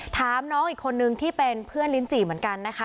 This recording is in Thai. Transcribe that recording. ถามน้องอีกคนนึงที่เป็นเพื่อนลิ้นจี่เหมือนกันนะคะ